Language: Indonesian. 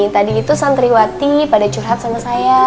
tadi itu santriwati pada curhat sama saya